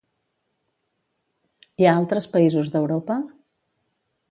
I a altres països d'Europa?